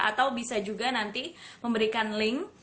atau bisa juga nanti memberikan link